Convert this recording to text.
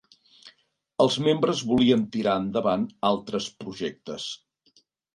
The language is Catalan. Els membres volien tirar endavant altres projectes.